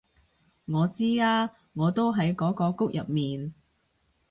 我知啊我都喺嗰個谷入面